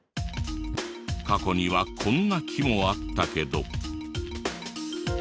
過去にはこんな木もあったけど。